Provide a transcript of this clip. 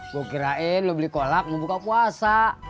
gue kirain lo beli kolak mau buka puasa